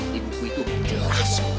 di buku itu jelas